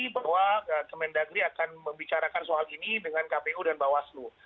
bahwa kemendagri akan membicarakan soal ini dengan kpu dan bawaslu